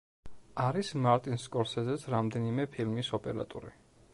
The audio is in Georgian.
არის მარტინ სკორსეზეს რამდენიმე ფილმის ოპერატორი.